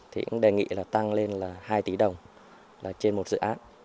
thì cũng đề nghị là tăng lên là hai tỷ đồng là trên một dự án